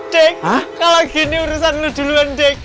dek kalau gini urusan lo duluan dek